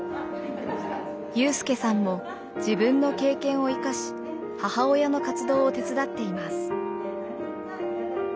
有さんも自分の経験を生かし母親の活動を手伝っています。